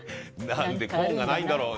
何でコーンがないんだろう。